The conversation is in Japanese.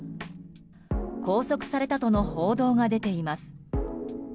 拘束されたとの報道が出ています。